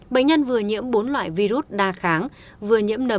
bệnh nhân vừa nhiễm bốn loại virus đa kháng vừa nhiễm nở